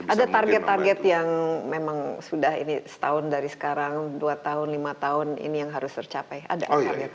ada target target yang memang sudah ini setahun dari sekarang dua tahun lima tahun ini yang harus tercapai